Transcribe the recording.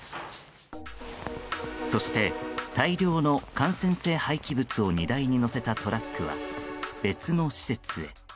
そして、大量の感染性廃棄物を荷台に載せたトラックは別の施設へ。